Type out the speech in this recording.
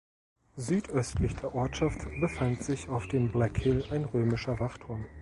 Südöstlich der Ortschaft befand sich auf dem "Black Hill" ein römischer Wachturm.